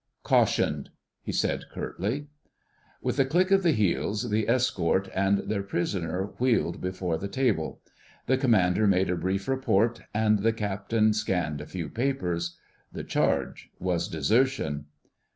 "Cautioned," he said curtly. With a click of the heels, the escort and their prisoner wheeled before the table. The Commander made a brief report, and the Captain scanned a few papers. The charge was desertion.